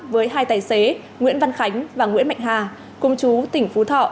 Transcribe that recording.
với hai tài xế nguyễn văn khánh và nguyễn mạnh hà công chú tỉnh phú thọ